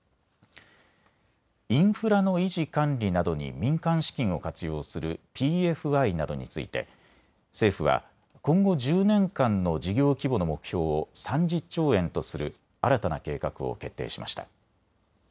インフラの維持管理などに民間資金を活用するＰＦＩなどについて政府は今後１０年間の事業規模の目標を３０兆円とする新たな計画を決定しました。